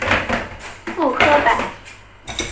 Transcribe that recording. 傅科摆